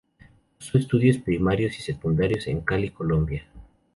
Cursó estudios primarios y secundarios en Cali, Colombia.